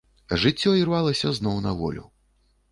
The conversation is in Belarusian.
Жыццё ірвалася зноў на волю.